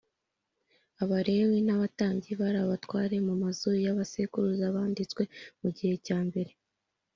Abalewi n abatambyi bari abatware b amazu ya ba sekuruza banditswe mu gihe cyambere